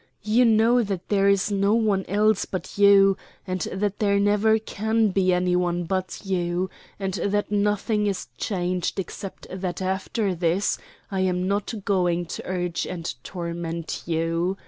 You know that there is no one else but you, and that there never can be any one but you, and that nothing is changed except that after this I am not going to urge and torment you.